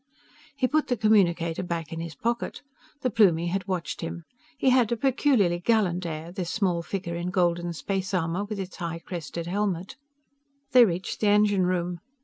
_" He put the communicator back in his pocket. The Plumie had watched him. He had a peculiarly gallant air, this small figure in golden space armor with its high crested helmet. They reached the engine room.